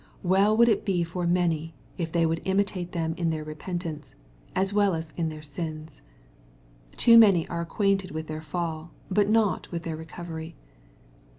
Well would it be for many, if they would imitate them in their repentance, as well as in their sins. Too many are acquainted with their fall, but not with their recovery.